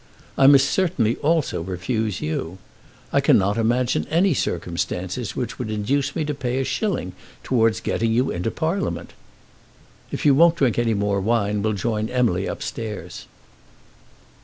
I must certainly also refuse you. I cannot imagine any circumstances which would induce me to pay a shilling towards getting you into Parliament. If you won't drink any more wine, we'll join Emily upstairs."